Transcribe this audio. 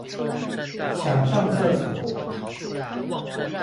想上廁所